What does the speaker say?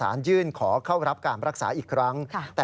ฟังเสียงคุณฟอร์กันนี่โมฮามัทอัตซันนะครับ